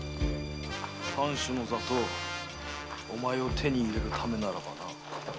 藩主の座とお前を手に入れるためならばな。